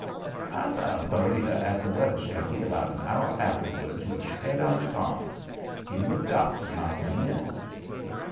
I found Beriah at the weather shanty about an hour afterwards with his head on his arms. He looked up when I come in.